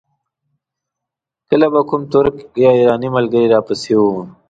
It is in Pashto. کله به کوم ترک یا ایراني ملګری را پسې و.